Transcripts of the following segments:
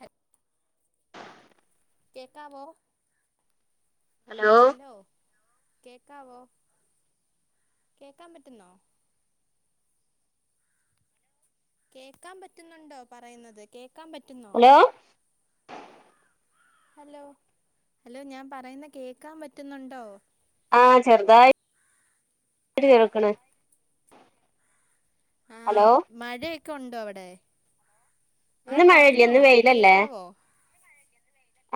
ഹ് കേക്കാവോ ഹലോ കേക്കാവോ കേക്കാൻ പറ്റുന്നോ കേക്കാൻ പറ്റുന്നുണ്ടോ പറയുന്നത് കേക്കാൻ പറ്റുന്നോ ഹലോ ഹലോ ഹലോ ഞാൻ പറയുന്ന കേക്കാൻ പറ്റുന്നുണ്ടോ. ആഹ് ചെറുതായിട്ട് കേൾക്ണ്. അലോ ഒക്കണ്ടോ അവിടെ. ആ ഇന്ന് മഴയില്ല പറഞ്ഞോ ഇന്ന് വെയിലല്ലേ. കേക്കാവോ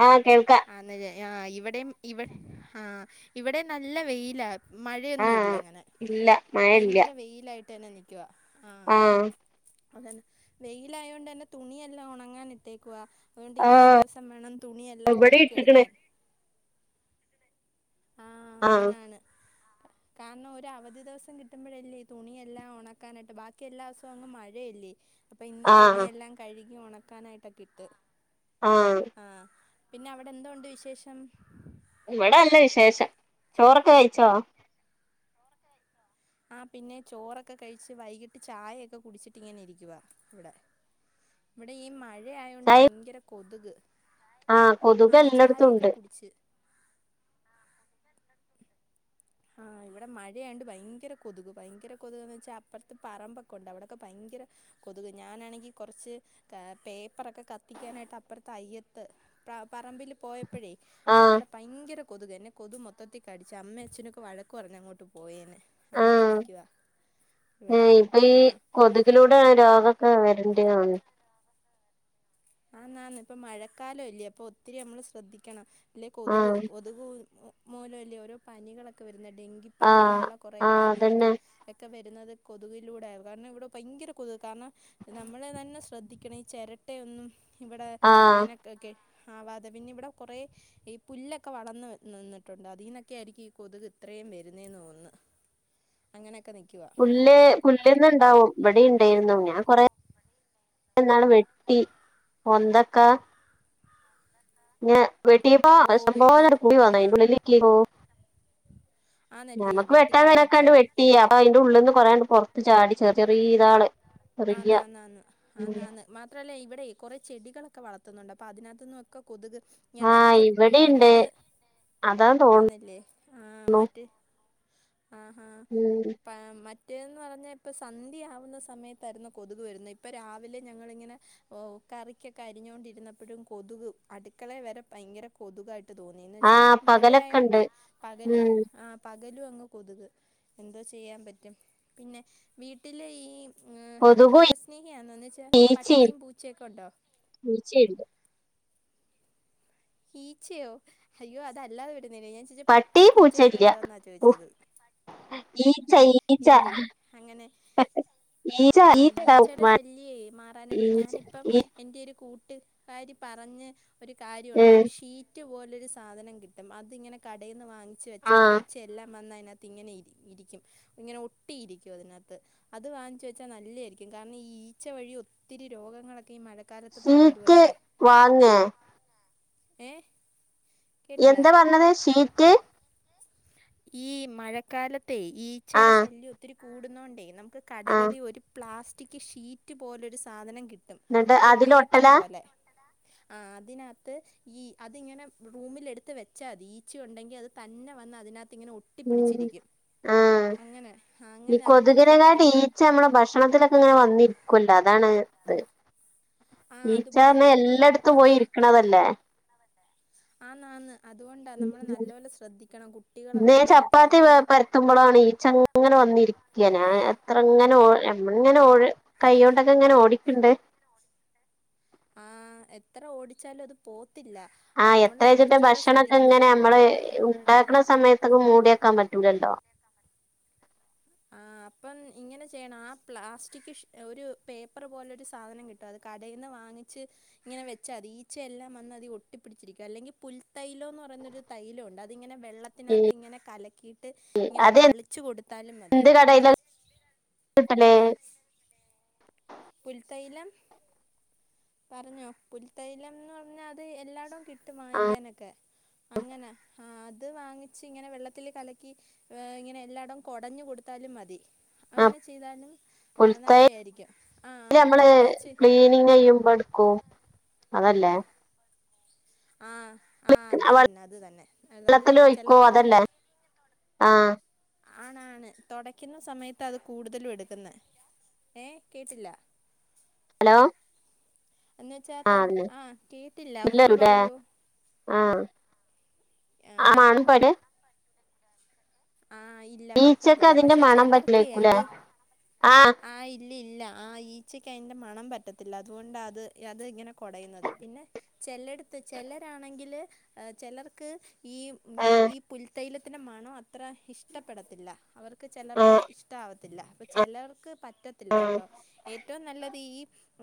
ആഹ് കേൾക്ക. ആന്ന് ആ ഇവിടേം ഇവ ആ ഇവിടെ നല്ല വെയിലാ ആഹ് മഴയൊന്നുമില്ലങ്ങനെ ഇല്ല മഴ ഇല്ല ഭയങ്കര വെയിലായിട്ടെന്നെ നിക്കുവാ. ആ ആഹ് അതന്നെ വെയിലായോണ്ടെന്നേ തുണിയെല്ലാം ഉണങ്ങാൻ ഇട്ടേക്കുവാ. അതുകൊണ്ട് ഇന്നൊരു ആഹ് ദിവസം വേണം തുണിയെല്ലാം ഇവിടെ ഉണക്കിയെടു ഇട്ട്ക്ക്ണ് ക്കാൻ. ആഹ് കാരണം ഒരു അവധി ദിവസം കിട്ടുമ്പഴല്ലേ തുണിയെല്ലാം ഉണക്കാനായിട്ട്, ബാക്കി എല്ലാ ദിവസവും അങ്ങ് മഴയല്ലേ. അപ്പൊ ഇന്ന് ആഹ് തുണിയെല്ലാം കഴുകി ഉണക്കാനായിട്ടൊകിട്ട്. ആഹ് പിന്നെ അവിടെ എന്തോ ഉണ്ട് വിശേഷം. ഇവിടെല്ല വിശേഷം, ചോറൊക്കെ കഴിച്ചോ? ആ പിന്നെ ചോറൊക്കെ കഴിച്ച്, വൈകിട്ട് ചായയൊക്കെ കുടിച്ചിട്ട് ഇങ്ങനെ ഇരിക്കുവാ ഇവിടെ. ഇവിടെ ഈ മഴയായോണ്ട് ചായ ഭയങ്കര കൊതുക്. ആഹ് കൊതുക് ആഹ് എല്ലാടത്തും ചായയൊക്കെ ഉണ്ട്. കുടിച്ച് ആഹ് ഇവിടെ മഴയാണ്ട് ഭയങ്കര കൊതുക്, ഭയങ്കര കൊതുകന്ന് വെച്ചാൽ അപ്പറത്ത് പറമ്പൊക്കെ ഉണ്ട് അവിടൊക്കെ ഭയങ്കര കൊ കൊതുക്. ഞാനാണെങ്കി കൊറച്ച് ക പേപ്പറൊക്കെ കത്തിക്കാനായിട്ട് അപ്പറത്ത് അയ്യത്ത് പ്ര പറ മ്പിൽ പോയപ്പോഴേ ആഹ് അവിടെ ഭയങ്കര കൊതുക്. എന്നെ കൊതു മൊത്തത്തിൽ കടിച്ച്. അമ്മഅച്ഛനൊക്കെ വഴക്ക് പറഞ്ഞ് അങ്ങോട്ട് പോയേന്. അങ്ങനെ നിക്കുവാ. ഏ ഇവിടെ ഇപ്പൊ ഈ ആഹ് കൊതുകിലൂടെ രോഗൊക്കെ വരുന്ന [inaudible] ആന്ന് ആന്ന് ഇപ്പ മഴക്കാലല്ലേ അപ്പൊ ഒത്തിരി നമ്മള് ശ്രദ്ധിക്കണം. അല്ലെ കൊതുക് ആഹ് കൊതുക് മൂലം അല്ലേ ഓരോ പനികളൊക്കെ വരു ന്നെ ഡെങ്കിപ്പനി ആഹ് പോലുള്ള കുറേ ആഹ് പനികളും അതന്നെ ഒക്കെ വ ന്നത് കൊതുകിലൂടെ കാരണം, ഇവിടെ ഭയങ്കര കൊതുക് കാരണം നമ്മള് തന്നെ സ്‌ ശ്രദ്ധിക്കണെ ഈ ചിരട്ട ഒന്നും ഇവിടെ ആഹ് ഇങ്ങനെ കെ ആവാതെ പിന്നെവിടെ കുറെ ഈ പുല്ലൊക്കെ വളർന്ന് നിന്ന് നിന്നിട്ടുണ്ട് അതിനൊക്കെ ആയിരിക്കും ഈ കൊതുക് ഇത്ര വരുന്നേന്നു തോന്നണ്. അങ്ങനെ പുല്ല് പുല്ലന്ന്ണ്ടാവും ഇവിടെ ണ്ടായിരുന്നു ഞാൻ കൊറെ ഞാൻ ഇന്നാള് വെട്ടി പൊന്തൊക്കാ ഞ വെട്ടിയപ്പൊ ഓ അത് സംഭവ വെട്ടി കൂടി വന്നാ ആ അതിനുള്ളിൽക്ക് ആന്നല്ലേ നമക്ക് വെട്ടാൻ കഴിണൊക്കെ ആണ്ട് വെട്ടിക്കളഞ്ഞപ്പം വെട്ടി അപ്പൊ അയ്ന്റ ഉള്ള് ന് പറയണ്ട് പൊർത്ത് ചാടി ചെറി ചെറിയൊതാള് ആന്നാന്നാന്ന് ആന്നാന്ന് മാത്രല്ലേ ഇവിടെ കുറേ ചെടികളൊക്കെ വളർത്തുന്നുണ്ട് അപ്പോ അതിനകത്ത്ന് ഒക്കെ കൊ കൊതുക് ഞനെ എന്ന് ആഹ് വെച്ചാ മ ഇവിടെണ്ട് മറ്റേത് അതാ തോന്നുന്നു ആന്നല്ലേ ആ മറ്റേ ആ ആ ഉം പ മറ്റേന്ന് പറഞ്ഞാ ഇപ്പൊ സന്ധ്യ ആവുന്ന സമയത്ത് ത്തരുന്നു കൊതുക് വരുന്നെ ഇപ്പൊ രാവിലെ ഞങ്ങളിങ്ങനെ കറിക്കൊക്കെ അരിഞ്ഞൊണ്ടിരുന്നപ്പഴും കൊതുക് അടുക്കളെ വരെ ഭയങ്കര കൊതുകായിട്ട് തോന്നിന്ന് വെച്ചാ ആഹ് പകലൊക്കെ ഉണ്ട് മഴയായോണ്ടേ പകല് ഉം ആ പകൽ ലും അങ്ങ് കൊതുക് എന്തോ ചെയ്യാൻ പറ്റും പിന്നെ വീട്ടില് ഈ ആ കൊതുകും മൃഗസ്നേഹിയാന്നൊ ന്ന് വെച്ചാ ഈച്ചയും പട്ടിയും പൂച്ചക്കെ ണ്ടോ [unintelligible] ഈച്ചയോ അയ്യോ അത് അല്ലാതെ വിടെ [unintelligible] ഞാൻ ചോയ്ച്ചെ പട്ടി പട്ടിയും പൂച്ചയൊക്കെ പൂച്ചയില്ല ഉണ്ടോന്നാ ചോയ്ച്ചത് ഈച്ച ഈച്ച ഈച്ച ആ ഈച്ച ഈച്ചയുടെ ഉണ്ടാവും. ശല്യേ മാറാനായിട്ട് ഞാനിപ്പം ഈച്ച എന്റെറരു കൂ ട്ടുകാരി പറഞ് ഒരു കാ ഒരു ഷീറ്റ് പോലെ ഒരു സാധനം കിട്ടും അത്ങ്ങനെ കടയ്ന്ന് വാങ്ങിച്ച് വെച്ചാ ആഹ് ഈച്ച എല്ലാം വന്ന് അ ഇങ്ങനെ ഇരിക്കും ഇങ്ങനെ ഒട്ടി ഇരിക്കും അതിനാത്ത് അത് വാങ്ങിച്ചു വെച്ചാ നല്ലായിരിക്കും കാരണം ഈ ഈ ഈച്ച വഴി ഒത്തിരി രോഗങ്ങളൊക്കെ ഈ മഴക് ഷീറ്റ് വാങേ ഏ എന്താ പറഞ്ഞത് ഷീറ്റ് ഈ മഴക്കാലത്തെ ആ ഈച്ചയുടെ ശല്യം ഒത്തിരി കൂടുന്നോണ്ടേ നമ ആ കടകളി ഒരു പ്ലാസ്റ്റിക് ഷീറ്റ് പോലൊ ഒരു സാധനം കിട് ന്നിട്ട് അതിലൊട്ടല ആ അതിനകത്ത് ഈ അതിങ്ങനെ റൂമിൽ എടുത്ത് വെച്ചാ തി ഈച്ച ഉണ്ടെങ്കി അത് തന്നെ വന്ന് അതിനകത്ത് ഇങ്ങനെ ഉം ഒട്ടിപ്പിടിച്ചിരിക്കും ആ അങ്ങനെ ആ, ഈ അങ്ങനെ അതിപ്പോ കൊ കൊതുകിനേക്കാട്ട് ഈച്ച നമ്മള ഭക്ഷണത്തിലൊക്കെ ഇങ്ങനെ വന്നിരിക്കൂല്ലോ അതാണ് ആ അതുപോലെ ഈച്ചാർഞ്ഞെ തന്നെ ഈ എല്ലാടത്തും പോയി ഇരിക്കണതല്ലേ ആ നന്ന് അതുകൊണ്ടാ നമ്മള് നല്ലപോലെ ശ്രദ്ധിക്കണം കുട് ഇന്നേ ചപ്പാത്തി പരത്തുമ്പോളാണ് ഈച്ച ങ്ങനെ വന്നിരിക്ക ഞാ എത്ര ഇങ്ങനെങ്ങനെ ഓ കൈയ്യോ ണ്ടൊക്കെ ഇങ്ങനെ ഓടിക്ക്‌ണ്ട് ആ എത്ര ഓടിച്ചാലും അത് പോ ആ എത്രയാച്ചിട്ട ഭക്ഷണക്കെ ശ്രദ്ധിക്കണം ഇങ്ങനെ നമ്മള് ഉണ്ടാക്കണ സമയത്ത് ക്കെ മൂടിക്കാൻ പറ്റൂലല്ലോ ആഹ് അപ്പം ഇങ്ങനെ ചെയ്യണം ആ പ്ലാസ്റ്റിക് ഷീ ഒരു പേപ്പർ പോലെ ഒരു സാധനം കിട്ടും അത് കടയിന്ന് വാങ്ങി ച്ച് ങ്ങനെ വെച്ച തി ഈച്ചയെല്ലാം വന്ന് അതിൽ ഒട്ടിപ്പടിച്ചിരിക്കും അല്ലെങ്കിൽ പുൽ തൈലോന്ന് പറയുന്ന ഒരു തൈലൊ ണ്ട് അത് ഇങ്ങനെ വെള്ളത്തിനാ ഈ ത്ത് ഇങ്ങനെ കലക്കിയിട്ട് ഇങ്ങനെ തളിച്ചു കൊടുത്താലും മതി എത് കടെയ്ല കിട്ടല് പുൽതൈലം പറഞ്ഞോ പുൽത്തൈലംന്ന് പറഞ്ഞാൽ അത് എല്ലാടും കി ട്ടും ആ വാങ്ങിക്കാനൊക്കെ അങ്ങനെ ഹാ അ ത് വാങ്ങിച്ച് ഇങ്ങനെ വെള്ളത്തില് കലക്കി ഇങ്ങെനെ എല്ലായിടം കൊടഞ്ഞു കൊടുത്താലും മതി ആ അങ്ങനെ ചെയ്താലും പുൽത്തൈ നല്ലെയിരിക്കും ആ ആ ഈച്ച മട്ക്കൊ അതല്ലേ ആ ആ അത് തന്നെ അത് തന്നെ അതിന് ചിലർക്ക ആ ആ ആണ് ആണ് തൊടക്കിന്ന സമയത്ത് അത് കൂടുതലും എടുക്കുന്നെ ഏ കേട്ടില്ല ഹലോ എന്ന് വെച്ചാ ആഹ് തൊട് അതന്നെ ആ കേട്ടില്ല സ്മെല്ല് ഒന്നൂടെ വരൂലേ പറയൂ ആഹ് ആ [unintelligible] ആ ഇല്ല ഈച്ചക്ക് പറ്റത്തില്ല അതിന്റെ പക്ഷെ മണം ചിലർക്കെ പറ്റില്ലേക്കൂലേ അത് ആഹ് ആ ഇല്ല ഇല്ല ആ ഈച്ചയ്ക്ക് അയിന്റെ മണം പറ്റത്തില്ല അതുകൊണ്ട് അത് അത് ഇങ്ങനെ കൊടയിന്നത് പിന്നെ ചെലടത്ത് ചെലരാണെങ്കില് എ ചെലർക്ക് ഈ ആഹ് ഈ പുൽ തൈലത്തിന്റെ മണം അത്ര ഇഷ്ടപ്പെടത്തില്ല അവർ ക്ക്‌ ചെലപ്പോ ആഹ് ഇഷ്ട ആവത്തില്ല അപ്പൊ ചിലർക്ക് പറ്റത്തില്ല ആഹ് കേട്ടോ ഏറ്റവും നല്ലത് ഈ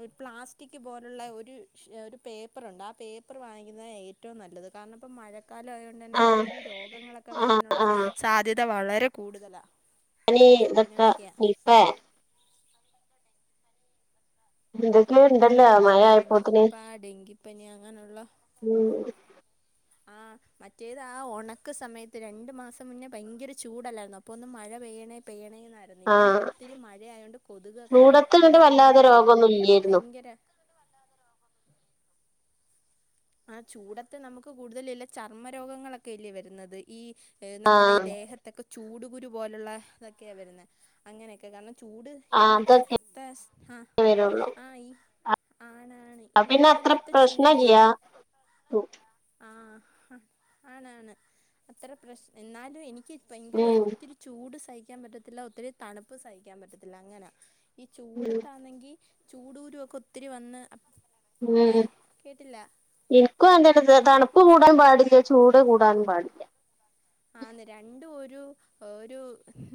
ഒരു പ്ലാസ്റ്റിക് പോലുള്ള ഒരു ശ് ഒരു പേപ്പറുണ്ട് ആ പേപ്പർ വാങ്ങിക്കുന്നതാ ഏറ്റവും നല്ല ഇള്ളത് കാരണം ഇപ്പോ മഴക്കാലം ആയൊണ്ട് ന്നെ ആഹ് ഒത്തിരി രോഗങ്ങളൊക്കെ ആഹ് വരാനുള്ള ആഹ് സാധ്യത വളരെ കൂടുതല അയിന് ഈ നിക്ക നിപ്പേ എന്തൊക്കെയ ഉണ്ടല്ലോ മ ആ നിപ്പ ഡെങ്കിപ്പനി അങ്ങനെള്ള ഉം ആ മറ്റേത് ആ ഉണക്ക് സമയത്ത് രണ്ട് മാസം മുന്നേ ഭയങ്കര ചൂടല്ലായിരുന്നു അപ്പൊ ഒന്ന് മഴ പെയ്യണെ പെയ്യണെന്ന് ന്നാര്ന്നു ഇപ്പം ആഹ് ഒത്തിരി മഴയായോണ്ട് കൊത്ക്ക്കെ അങ്ങ് ചൂടത്ത് ഇങ്ങട്ട് കൂടി കൂടി വല്ലാതെ വരുവാ രോഗൊന്നും ഇല്ലേരുന്നു ഭയങ്കര ആ ചൂടത്ത് നമുക്ക് കൂടുതല ഇല്ല ചർമ്മ രോഗങ്ങളൊക്കെ ഇല്ലേ വരുന്നത് ഈ നമ്മുടെ ഈ ആഹ് ദേഹത്തൊക്കെ ചൂട്കുരു പോലുള്ള ഇതൊക്കെയാ വരുന്നത് അങ്ങനെയൊക്കെ കാരണം ചൂട് ഈ ആഹ് വട്ട അതൊക്കെ കത്തെ ആ ആ ഈ ആണ് അ പിന്നെ അത്ര പ്രശ്നല്ല പു ആ ഹ ആണ് ആണ് അത്ര പ്രശ് എന്നാലു എനി എനിക്ക് ഭയങ്കര ഉം ഒത്തിരി ചൂട് സഹിക്കാൻ പറ്റത്തില്ല ഒത്തിരി തണുപ്പ് സഹിക്കാൻ പറ്റത്തില്ല അങ്ങനാ ഈ ഉം ചൂടത്താണെങ്കി ചൂടൂരു ഒക്കെ ഒത്തിരി വന്ന് ഏ ഉം കേട്ടില്ല എനിക്കും അങ്ങൻതന്നെ ആഹ് തണുപ്പ് കൂടാൻ പാടില്ല ചൂട് കൂടാനും പാടില്ല ആന്ന് രണ്ടും ഒരു ഒരു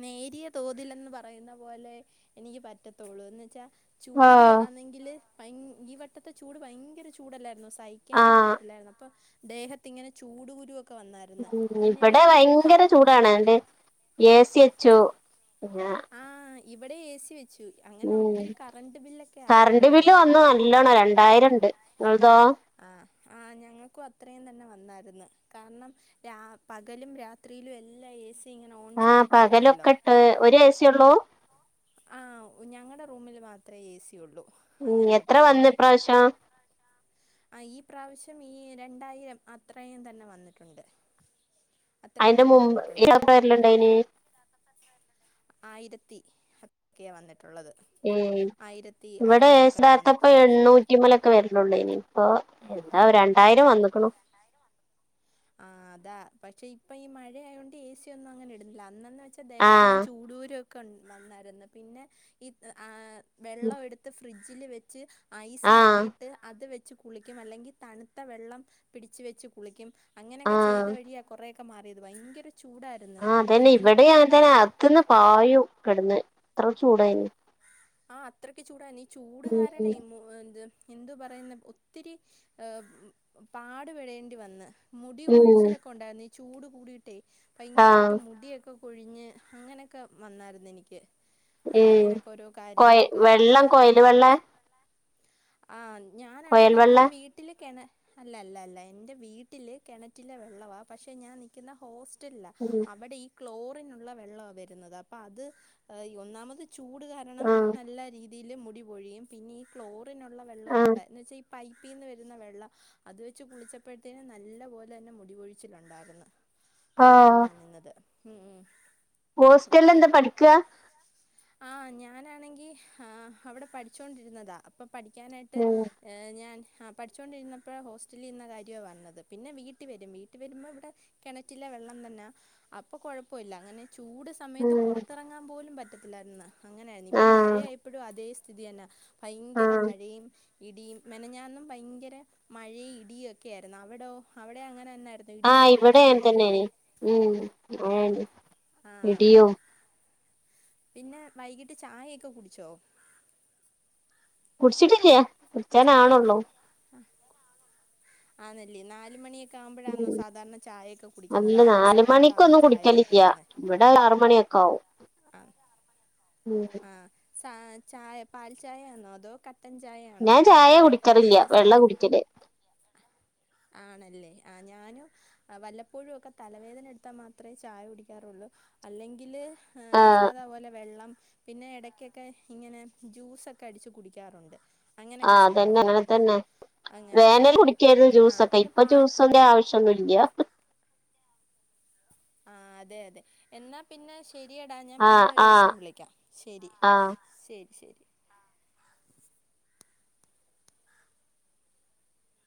നേരിയ തോതിലെന്ന് പറയുന്ന പോലെ എനിക്ക് പറ്റത്തുള്ളൂ എന്ന് വെച്ചാ ചൂട് ആഹ് ആന്നെങ്കില് ഭയ ഈ വട്ടത്തെ ചൂട് ഭയങ്കര ചൂടല്ലായിരുന്നു സഹിക്കാൻ ആഹ് പറ്റത്തില്ലായിരുന്നു അപ്പൊ ദേഹത്തി ഇങ്ങനെ ചൂട് കുരുക്കെ വന്നായിരുന്നു ഉം പിന്നെല്ല ഇവിടെ പ ഭയങ്കര ചൂടാണ് നിട്ട് ഏസിച്ചു പിന്നാ ആഹ് ഇവിടെ എ സി വെ ഉ കറന്റ് ആയായിരുന്നു ബില്ല് ഇവിടെ വന്നുന്നല്ലോണം രണ്ടായിരം ഇണ്ട് ആ ആ ഞങ്ങക്കും അത്രയിം തന്നെ വന്നായിര്ന്ന് കാരണം രാ പകലും രാത്രിയിലും എല്ലാ എ സി ഇങ്ങനെ ഓൺ ആ ചെയ്തിട്ടായിരുന്നല്ലോ പകലൊക്കെ ഇട്ട് ഒര് ഏസി ഒള്ളൂ ആ ഉ ഞങ്ങടെ റൂമില് മാത്രെ എ സിയൊള്ളു ഉം എത്ര വന്ന് ഇപ്രാവശ്യം ആ ഈ പ്രാവശ്യം ഈ രണ്ടായിരം അത്രയും തന്നെ വന്നിട്ടുണ്ട് അത്രയും അയിന്റെ തന്നെ മുമ്പ് വന്നിട്ടുണ്ട് [unintelligible] വെര് ലിണ്ടായിനി [unintelligible] വന്നിട്ട് ഇവിടെ അങ്ങനെയൊക്കെ [unintelligible] വന്നിട്ടുള്ള പക്ഷെ എണ്ണൂറ്റിമ്മലൊക്കെ വരള്ളേനി ഇപ്പൊ എന്താ രണ്ടായിരം വന്നേക്കുണു ആഹ് അതാ പക്ഷെ ഇപ്പൊ ഈ മഴയൊണ്ട് ഏ സിയ ഒന്നും അങ്ങനെ ഇടുന്നില്ല അന്നന്ന് വെ വെച്ചാൽ ദേഹത്തെല്ലാം ആഹ് ചൂടൂരുക്കെ വന്നാരുന്നു പിന്നെ ആ വെള്ളം എടുത്ത് ഫ്രിഡ്ജില് വെച്ച് ആഹ് ഐസാക്കിയിട്ട് അത് വെ കുളിക്കും അല്ലെങ്കിൽ തണുത്ത വെള്ളം പിടിച്ച് വെച്ച് കുളിക്കും അങ്ങനെയൊക്കെ ആഹ് ചെയ്ത വഴിയ കുറെ ക്കെ മാറിയത് ഭയങ്കര ചൂടായിരുന്നു ആ അതന്നെ പിന്നെ ഇവിടെ അങ്ങൻത്തന്നെ അകത്ത്ന്ന് പായും കെടന്ന് എത്ര ചൂടായി ന് ആ അത്രക്ക് ചൂടാ ഈ ചൂടുകാരാണേ മ് ദ് എന്തു പറയുന്ന് ഒത്തിരി ഏ പാടുപെടേണ്ടി വന്ന് മുടി ഉം ഒഴിച്ചിലൊക്കെ ഉണ്ടായിരുന്ന് ഈ ചൂട് കൂടിട്ടേ ആ ഭയങ്കരമായിട്ട് മുടിയൊക്കെ കൊഴിഞ്ഞ് അങ്ങനെയൊക്കെ വന്നായിരുന്ന് എനിക്ക് അങ്ങനെയൊക്കെ ഓരോ കോയി കാര്യങ്ങളൊക്കെ വെള്ളം കോയല് വെള്ള ആ കൊയൽ വെള്ളെ അല്ല അല്ല അല്ല എൻ്റെ വീട്ടില് കിണറ്റിലെ വെള്ളവാ പക്ഷെ ഞാൻ നിക്കുന്ന ഹോസ് റ്റൽലാ. ഉം അവിടെ ഈ ക്ലോറിനുള്ള വെള്ളവാ വരുന്നത് അപ്പൊ അത് ഇ ഒന്നാമത് ചൂട് കാരണം ആ നല്ല രീതിയിൽ മുടിപൊഴിയും പിന്നെ ഈ ക്ലോറിനുള്ള ആ വെള്ളവും കൂടെ എന്ന് വെച്ചാ പൈപ്പിന്ന് വരുന്ന വെള്ളം അത് വെച്ച് കുളിച്ചപ്പഴ്ത്തേനും നല്ല പോലെ തന്നെ മുടിപൊഴിച്ചിലുണ്ടായിരുന്നു ആ അങ്ങനെന്നാ നിന്നത് ഉം ഉ ഹോസ്റ്റൽലെന്താ പഠിക്കാ ആ ഞാനാണെങ്കി ആ അവിടെ പഠിച്ചോണ്ടിരുന്നതാ അപ്പം പഠിക്കാനായിട്ട് ഉം ഞാൻ ആ പഠിച്ചൊണ്ടിരുന്നപ്പോ ഹോസ്റ്റലിന്ന കാര്യവാ വന്നത് വീട്ടിൽ വരും വീട്ടിൽ വരുമ്പോൾ ഇവിടെ കിണറ്റിലെ വെള്ളം തന്നാ. അപ്പൊ കുഴപ്പ ഇല്ല അങ്ങനെ ചൂട് സമയത്ത് ഉം പുറത്തിറങ്ങാൻ പോലും പറ്റത്തില്ലായിരുന്നുന്നാ അങ്ങനെയായിരുന്നു ഇപ്പ ആ മഴയായപ്പോഴും അതേ സ് ഥിതി തന്ന പ ആ ല്ല മഴയും ഇടിയും മെനഞ്ഞാന്നും ഭയങ്കര മഴയും ഇടിയൊക്കെ ആയിരുന്നു അവിടോ അവിടെ അങ്ങനെ തന്നായിരുന്നു ആ ഇടിയും മിന്നലും ഇവിടെ ഒക്കെ അങൻ ഉണ്ടായിരുന്നോ തന്നേനി ഉം മഴണ്ട് ആഹ് ഇടിയും പിന്നെ വൈകിട്ട് ചായയൊക്കെ കുടിച്ചോ കുടിച്ചിട്ടില്ല്യാ ചായയൊക്കെ കുടിച്ചാനാണൊള്ളൂ ആന്നല്ലേ നാല് മണിയൊ ക്ക ആവുമ്പോഴാന്നോ ഉം സാധാരണ ചായയൊക്കെ കുടിക്കുന്നത് അല്ല ആ ഒരു നാല് സമയത്താണോ മണിക്കൊന്നും ചായയൊക്കെ കുടിക്കലില്ല കുടിക്കുന്നെ ഇവിടെ ആറ് മണിയൊക്കെ ആവും ആ [unintelligible] ച ചായ പാൽ ചായയാണോ അതോ ക ട്ടൻ ചായയാണോ ഞാൻ ചായ കുടിക്കുന്നത് കുടിക്കാറില്ല എൻദര് വെള്ള സാധ കുടിക്കല് ആണല്ലേ ആ ഞാനും വല്ലപ്പോഴും ഒക്കെ തലവേദന എടുത്താൽ മാത്രമേ ചായ കുടിക്കാറുള്ളൂ അല്ലെങ്കില് ഏ ആ സാധാപോലെ വെള്ളം പിന്നെ ഇടക്കൊക്കെ ഇങ്ങനെ ജ്യൂസൊക്കെ അടിച്ചു കുടിക്കാറുണ്ട് ആ അങ്ങനെയൊക്കെ അതന്നെ അങ്ങനെ ചെയ്യാറുണ്ട് തന്നെ അങ്ങനെ ആ വേനൽ കുടിക്കായിരുന്നു ആ ജ്യൂസൊക്കെ. പിന്നെ ഇപ്പൊ പാൽ ജ്യൂസ് ൻ്റെ ആവശ്യൊന്നുല്ല്യാ ആ അതെ അതെ എന്നാ പിന്നെ ശ രി എടാ ഞാൻ ആഹ് പിന്നെ ഒരു ദിവസം ആഹ് വിളിക്കാം ശരി ആഹ് ശരി ശരി